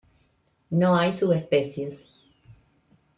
No hay subespecies.